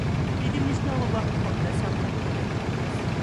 დიდი მნიშვნელობა ჰქონდა სამხედრო რეფორმას.